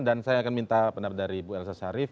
dan saya akan minta pendapat dari bu elsa syarif